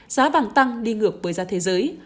giá vàng tăng đi ngược với giá thế giới